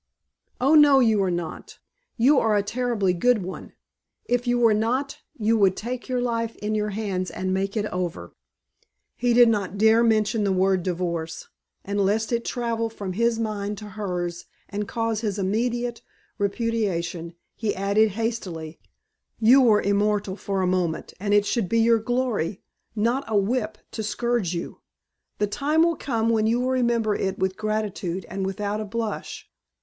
"Oh, no, you are not. You are a terribly good one. If you were not you would take your life in your hands and make it over." He did not dare mention the word divorce, and lest it travel from his mind to hers and cause his immediate repudiation, he added hastily: "You were immortal for a moment and it should be your glory, not a whip to scourge you. The time will come when you will remember it with gratitude and without a blush.